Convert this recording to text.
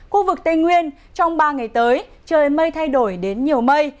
khu vực tây nguyên trong ba ngày tới trời mây thay đổi đến nhiều mây